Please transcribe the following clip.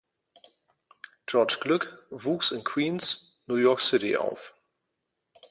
George Glueck wuchs in Queens, New York City auf.